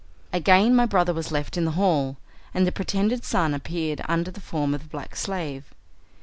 Again my brother was left in the hall, and the pretended son appeared under the form of the black slave.